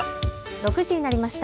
６時になりました。